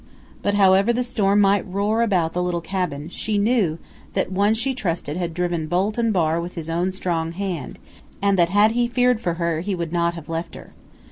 But however the storm might roar about the little cabin, she knew that one she trusted had driven bolt and bar with his own strong hand, and that had he feared for her he would not have left her.